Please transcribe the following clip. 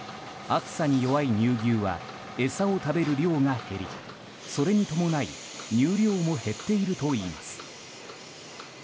暑さに弱い乳牛は餌を食べる量が減りそれに伴い乳量も減っているといいます。